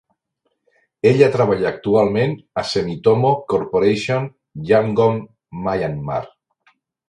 Ella treballa actualment a Sumitomo Corporation, Yangon, Myanmar.